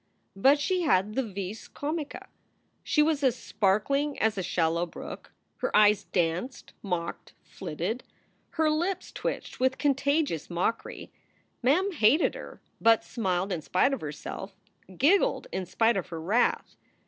But she had the vis comica. She was as sparkling as a shallow brook. Her eyes danced, mocked, flitted. Her lips twitched with contagious mockery. Mem hated her, but smiled in spite of herself, giggled in spite of her wrath.